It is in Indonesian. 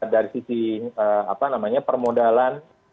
dari sisi permodalan